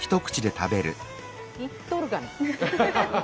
いっとるがな。